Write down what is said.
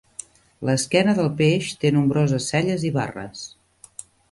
L'esquena del peix té nombroses selles i barres.